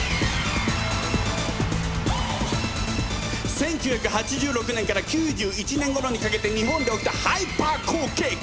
１９８６年から９１年ごろにかけて日本で起きたハイパー好景気。